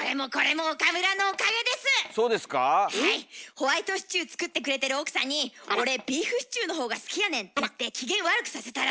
ホワイトシチュー作ってくれてる奥さんに「俺ビーフシチューの方が好きやねん」って言って機嫌悪くさせたらしいじゃん。